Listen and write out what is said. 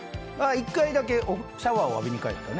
１回だけシャワーを浴びに帰ったね。